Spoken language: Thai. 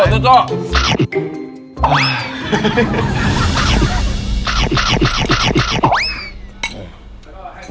เร็ว